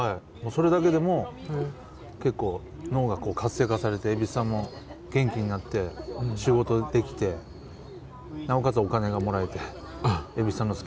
それだけでも結構脳が活性化されて蛭子さんも元気になって仕事できてなおかつお金がもらえて蛭子さんの好きな。